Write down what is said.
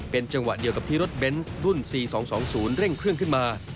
เป็นจังหวะเดียวกับที่รถเบนส์รุ่น๔๒๒๐เร่งเครื่องขึ้นมา